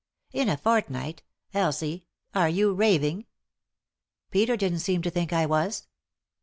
" In a fortnight I— Elsie I — are you raving ?"" Peter didn't seem to think I was."